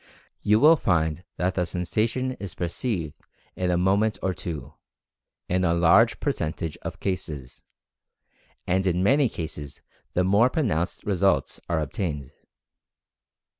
You will find that the sensation is perceived in a mo ment or two, in a large percentage of cases, and in many cases the more pronounced results are obtained.